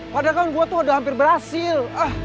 padahal kan gue tuh udah hampir berhasil